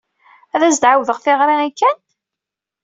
Ad as-d-ɛawdeɣ tiɣri i Ken?